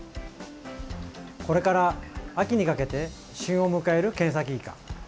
これから秋にかけて旬を迎えるケンサキイカ。